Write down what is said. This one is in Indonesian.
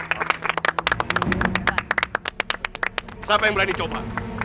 siapa yang berani coba